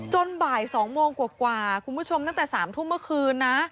บ่าย๒โมงกว่าคุณผู้ชมตั้งแต่๓ทุ่มเมื่อคืนนะ